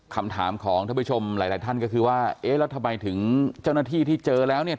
คำถามของท่านผู้ชมหลายหลายท่านก็คือว่าเอ๊ะแล้วทำไมถึงเจ้าหน้าที่ที่เจอแล้วเนี่ย